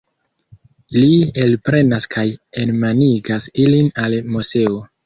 Li elprenas kaj enmanigas ilin al Moseo.